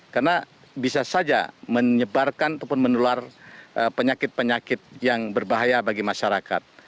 karena bisa saja menyebarkan ataupun menular penyakit penyakit yang berbahaya bagi masyarakat